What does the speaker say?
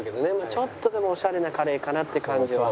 ちょっとでもオシャレなカレーかな？って感じは。